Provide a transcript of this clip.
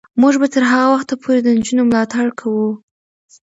موږ به تر هغه وخته پورې د نجونو ملاتړ کوو.